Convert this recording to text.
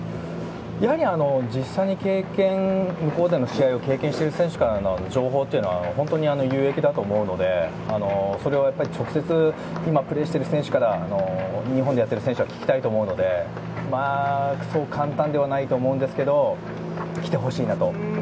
やはり実際に向こうでの試合を経験している選手からの情報というのは本当に有益だと思うので、それを直接、今プレーしている選手から日本でやっている選手は聞きたいと思うのでそう簡単ではないと思うんですけど来てほしいなと。